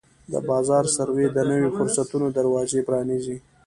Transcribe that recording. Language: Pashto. د بازار سروې د نویو فرصتونو دروازې پرانیزي.